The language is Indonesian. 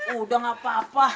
udah gak apa apa